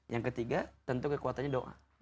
yang ketiga tentu kekuatannya doa